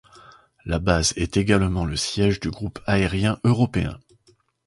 La base est également le siège du Groupe aérien européen.